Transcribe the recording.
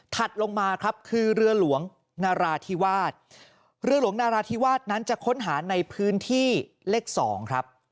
ลงมาครับคือเรือหลวงนาราธิวาสเรือหลวงนาราธิวาสนั้นจะค้นหาในพื้นที่เลข๒ครับ